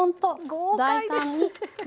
豪快ですね！